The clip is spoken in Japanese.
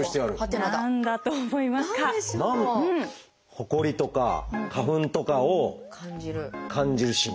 ほこりとか花粉とかを感じる神経。